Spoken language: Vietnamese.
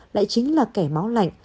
lại chính là kẻ máu lạnh